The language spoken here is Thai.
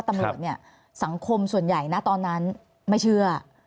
ตำรวจเนี่ยสังคมส่วนใหญ่นะตอนนั้นไม่เชื่อ